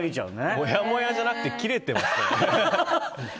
もやもやじゃなくてキレてますね。